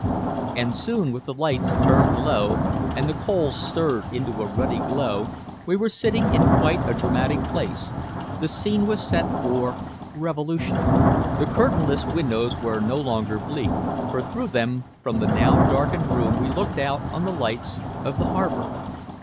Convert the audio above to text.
And soon with the lights turned low and the coals stirred into a ruddy glow, we were sitting in quite a dramatic place, the scene was set for "revolution." The curtainless windows were no longer bleak, for through them from the now darkened room we looked out on the lights of the harbor.